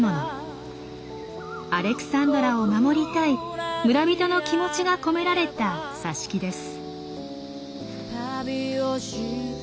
アレクサンドラを守りたい村人の気持ちが込められた挿し木です。